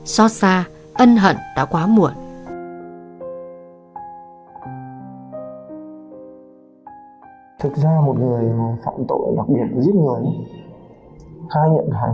xót xa ân hận đã quá muộn